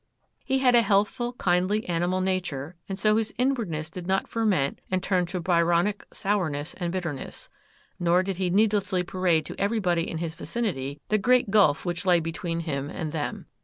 He had a healthful, kindly animal nature, and so his inwardness did not ferment and turn to Byronic sourness and bitterness; nor did he needlessly parade to everybody in his vicinity the great gulf which lay between him and them.